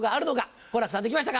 好楽さんできましたか？